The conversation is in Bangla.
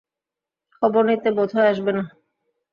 খবর নিতে বোধ হয় আসবে না?